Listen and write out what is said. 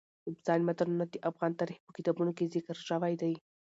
اوبزین معدنونه د افغان تاریخ په کتابونو کې ذکر شوی دي.